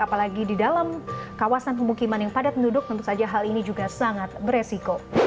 apalagi di dalam kawasan pemukiman yang padat penduduk tentu saja hal ini juga sangat beresiko